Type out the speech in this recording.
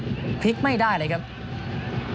ส่วนที่สุดท้ายส่วนที่สุดท้าย